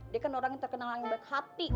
dia kan orang yang terkenal yang baik hati